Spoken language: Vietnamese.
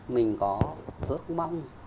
mình có ước mong